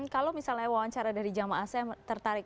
kalau misalnya wawancara dari jamaah saya tertarik